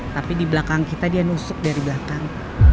tapi di belakang kita dia nusuk dari belakang